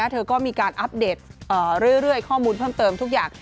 เธอก็มีการอัปเดตเรื่อยข้อมูลเพิ่มเติมทุกอย่าง